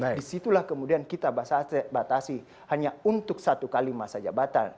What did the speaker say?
nah disitulah kemudian kita batasi hanya untuk satu kali masa jabatan